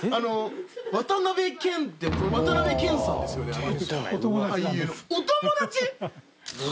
「渡辺謙」って渡辺謙さんですよねあの。